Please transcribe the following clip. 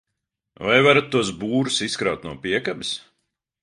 Vai varat tos būrus izkraut no piekabes?